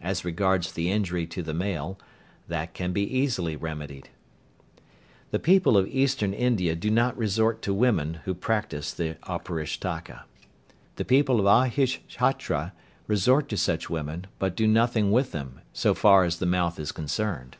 As regards the injury to the male, that can be easily remedied. The people of Eastern India do not resort to women who practise the Auparishtaka. The people of Ahichhatra resort to such women, but do nothing with them, so far as the mouth is concerned.